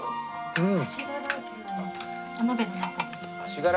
うん。